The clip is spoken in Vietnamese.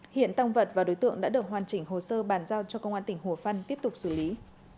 hiện tăng vật và đối tượng đã được hoàn chỉnh hồ sơ bàn giao cho công an tỉnh hồ phân tiếp tục xử lý